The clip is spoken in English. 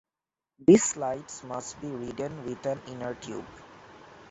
These slides must be ridden with an inner tube.